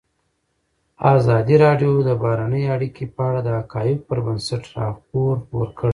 ازادي راډیو د بهرنۍ اړیکې په اړه د حقایقو پر بنسټ راپور خپور کړی.